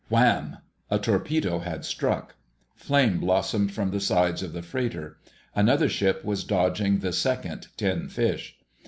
WHAMM! A torpedo had struck. Flame blossomed from the sides of the freighter. Another ship was dodging the second "tin fish."